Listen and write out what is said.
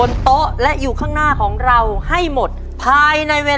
ในแคมเปญพิเศษเกมต่อชีวิตโรงเรียนของหนู